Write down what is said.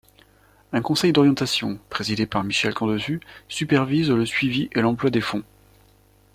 Un Conseil d’orientation, présidé par Michel Camdessus, supervise le suivi et l’emploi des fonds.